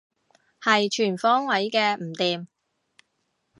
係全方位嘅唔掂